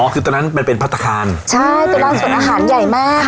คือตอนนั้นมันเป็นพัฒนาคารใช่ตัวร้านสวนอาหารใหญ่มาก